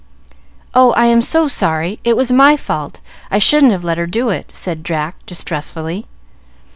"Oh, I am so sorry! It was my fault; I shouldn't have let her do it," said Jack, distressfully.